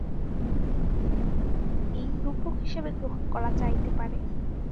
গীতার প্রথম অধ্যায়টি রূপক হিসাবে গ্রহণ করা যাইতে পারে।